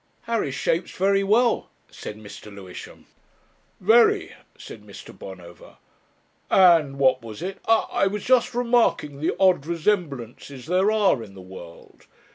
"Harris shapes very well," said Mr. Lewisham. "Very," said Mr. Bonover. "And what was it? Ah! I was just remarking the odd resemblances there are in the world.